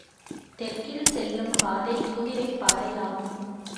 தெற்கில் செல்லும் பாதை குதிரைப் பாதையாகும்.